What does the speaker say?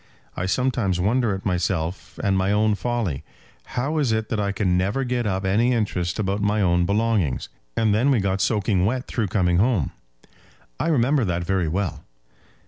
I sometimes wonder at myself and my own folly. How is it that I can never get up any interest about my own belongings? And then we got soaking wet through coming home." "I remember that very well."